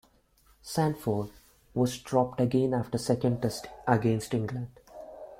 Sanford was dropped again after the second Test against England.